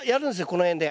この辺で。